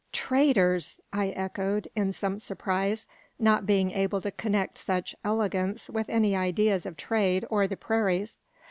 "Traders!" I echoed, in some surprise, not being able to connect such "elegants" with any ideas of trade or the prairies.